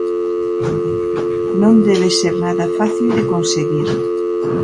Non debe ser nada fácil de conseguir.